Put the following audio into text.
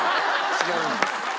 違うんです。